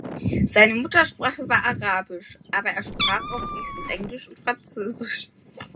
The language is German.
Seine Muttersprache war Arabisch, aber er sprach auch fließend Englisch und Französisch.